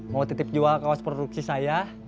mau titip jual kaos produksi saya